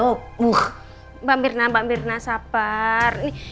oh mbak mirna mbak mirna sabar